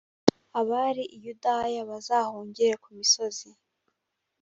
abari i yudaya bazahungire ku misozi